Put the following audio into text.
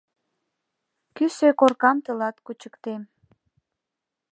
— Кӱсӧ коркам тылат кучыктем!»